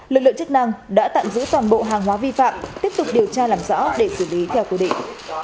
lực lượng chức năng đã tạm giữ toàn bộ hàng hóa vi phạm tiếp tục điều tra làm rõ để xử lý theo quy định